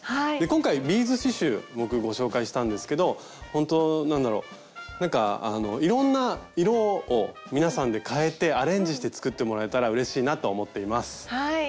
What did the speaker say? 今回ビーズ刺しゅう僕ご紹介したんですけどほんとなんだろなんかいろんな色を皆さんで変えてアレンジして作ってもらえたらうれしいなと思っています。